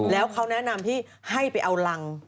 แล้วเขาแนะนำพี่ให้ไปเอารัง